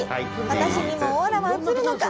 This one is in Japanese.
私にもオーラは写るのか！？